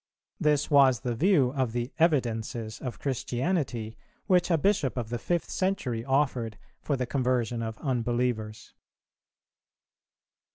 This was the view of the "Evidences of Christianity" which a Bishop of the fifth century offered for the conversion of unbelievers.